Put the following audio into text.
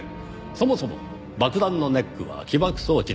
そもそも爆弾のネックは起爆装置です。